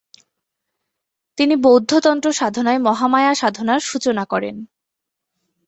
তিনি বৌদ্ধ তন্ত্র সাধনায় মহামায়া সাধনার সূচনা করেন।